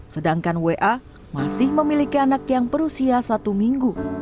sedangkan wa masih memiliki anak yang berusia tiga tahun